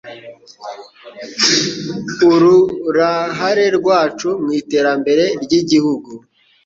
ururahare rwacu mu iterambere ry'igihugu”